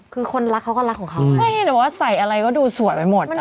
คือคนรักเขาก็รักของเขาใช่แต่ว่าใส่อะไรก็ดูสวยไปหมด